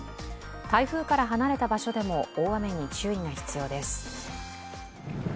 台風から離れた場所でも大雨に注意が必要です。